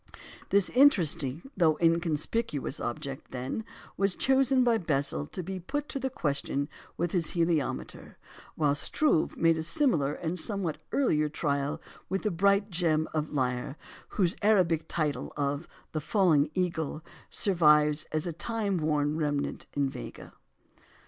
This interesting, though inconspicuous object, then, was chosen by Bessel to be put to the question with his heliometer, while Struve made a similar and somewhat earlier trial with the bright gem of the Lyre, whose Arabic title of the "Falling Eagle" survives as a time worn remnant in "Vega."